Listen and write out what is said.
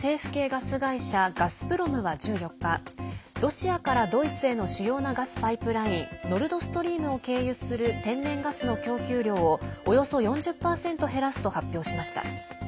ガスプロムは１４日ロシアからドイツへの主要なガスパイプラインノルドストリームを経由する天然ガスの供給量をおよそ４０％減らすと発表しました。